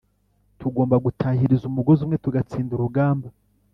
Tugomba gutahiriza umugozi umwe tugatsinda urugamba